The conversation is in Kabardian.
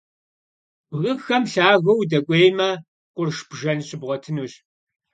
Бгыхэм лъагэу удэкӀуеймэ, къурш бжэн щыбгъуэтынущ.